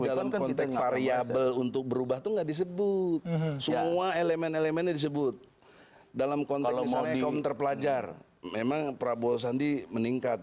dalam konteks variable untuk berubah itu nggak disebut semua elemen elemennya disebut dalam konteks pelajar memang prabowo sandi meningkat